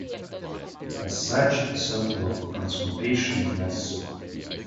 As such, a circle of transmutation is necessary.